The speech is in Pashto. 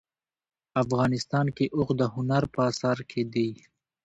افغانستان کې اوښ د هنر په اثار کې دي.